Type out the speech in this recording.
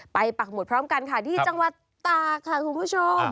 ปักหมุดพร้อมกันค่ะที่จังหวัดตากค่ะคุณผู้ชม